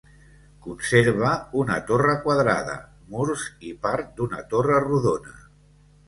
Conserva una torre quadrada, murs i part d'una torre rodona.